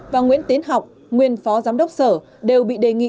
và nguyễn tiến học nguyên phó giám đốc sở đều bị đề nghị